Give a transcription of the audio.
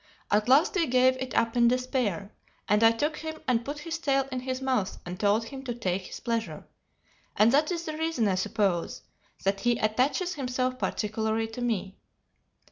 At last we gave it up in despair, and I took him and put his tail in his mouth and told him to take his pleasure, and that is the reason, I suppose, that he attaches himself particularly to me.